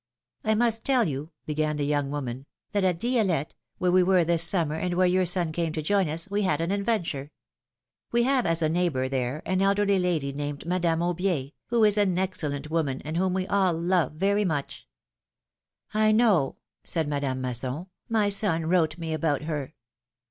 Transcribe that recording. I must tell you," began the young woman, " that at Di6lette, where we were this summer and where your son came to join us, we had an adventure. We have as a 272 philom^:ne's marriages. neighbor there an elderly lady, named Madame Aubier, who is an excellent Avoman and whom we all love very much.^^ I know,'^ said Madame Masson ; my son wrote me about her.